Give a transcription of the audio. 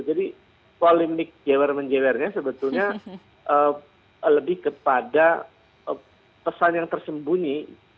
jadi polemik jewer menjewernya sebetulnya lebih kepada pesan yang tersembunyi